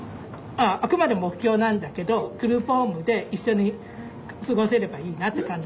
あくまで目標なんだけどグループホームで一緒に過ごせればいいなって感じ。